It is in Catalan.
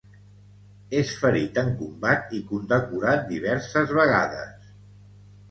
És ferit en combat i condecorat diverses vegades.